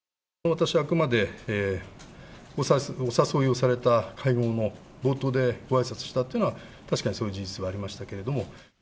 私はあくまでお誘いをされた会合の冒頭でごあいさつしたっていうのは、確かにそういう事実はありましたけれども。